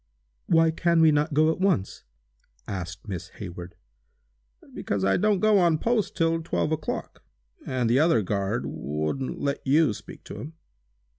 "Why can we not go at once?" asked Miss Hayward. "Because I don't go on post until twelve o'clock, and the other guard wouldn't let you speak to him."